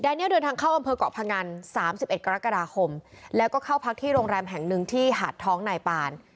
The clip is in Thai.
เนียลเดินทางเข้าอำเภอกเกาะพงัน๓๑กรกฎาคมแล้วก็เข้าพักที่โรงแรมแห่งหนึ่งที่หาดท้องนายปาน